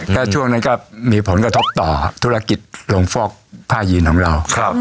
ก็ช่วงนั้นก็มีผลกระทบต่อธุรกิจลงฟอกผ้ายีนของเรา